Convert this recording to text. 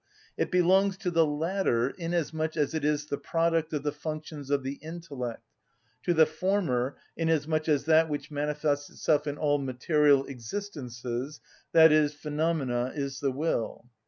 It belongs to the latter inasmuch as it is the product of the functions of the intellect, to the former inasmuch as that which manifests itself in all material existences, i.e., phenomena is the will.